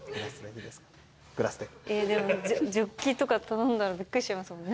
でもジョッキとか頼んだらびっくりしちゃいますもんね。